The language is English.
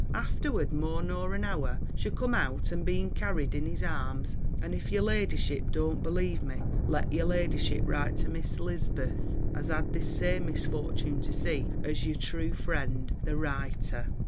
Afterward more nor an hour, she cum out ain being carred in his harmes. And if your ladishipp dont believ me, let your ladishipp rite to miss elizbeth, as had this same misfortune to see as your tru frend, "THE RITER."